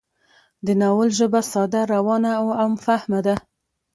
د ناول ژبه ساده، روانه او عام فهمه ده